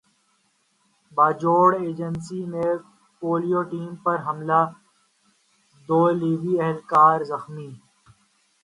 Bajaur agency میں polio team پر حملہ دو لیوی اہلکار زخمی